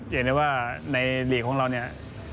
อย่างนี้ว่าในหลีกของเราเนี่ย